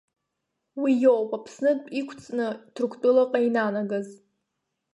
Уи иоуп Аԥснынтә иқәҵны Ҭырқәтәылаҟа инанагаз.